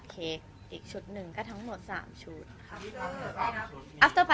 ขอบคุณครับ